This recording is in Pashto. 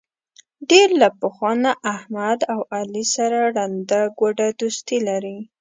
ډېر له پخوا نه احمد او علي سره ړنده ګوډه دوستي لري.